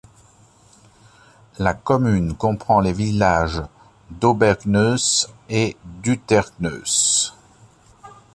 La commune comprend les villages d'Obergneus et d'Untergneus.